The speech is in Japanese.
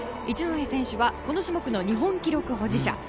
一戸選手はこの種目の日本記録保持者。